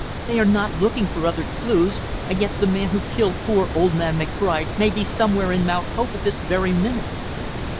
"They are not looking for other clues and yet the man who killed poor old man McBride may be somewhere in Mount Hope at this very minute!"